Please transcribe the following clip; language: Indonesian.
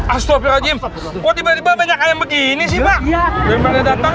astaghfirullahaladzim kok tiba tiba banyak yang begini sih ya